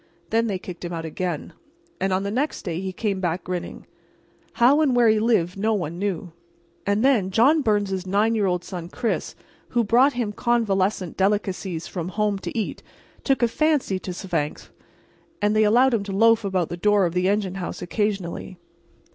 Then they kicked him out again, and on the next day he came back grinning. How or where he lived no one knew. And then John Byrnes's nine year old son, Chris, who brought him convalescent delicacies from home to eat, took a fancy to Svangvsk, and they allowed him to loaf about the door of the engine house occasionally.